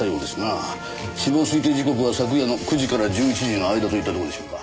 死亡推定時刻は昨夜の９時から１１時の間といったところでしょうか。